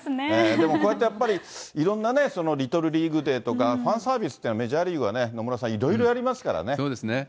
でもこうやってやっぱり、いろんなね、リトルリーグデーとか、ファンサービスっていうのは、メジャーリーグはね、野村さん、いそうですね。